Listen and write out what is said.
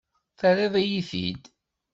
Terriḍ-iyi-t-id.